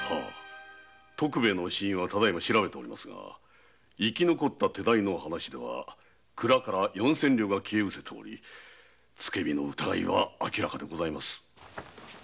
徳兵衛の死因は調べておりますが生き残った手代の話では蔵から四千両が消えうせており「つけ火」の疑いは明らかです。